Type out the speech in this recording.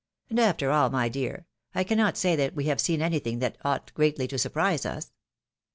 And after all, my dear, I cannot say that we have seen anything that ought greatly to surprise us.